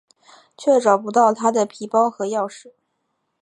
却找不到她的皮包和钥匙。